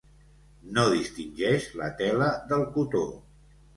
No distingeix la tela del cotó.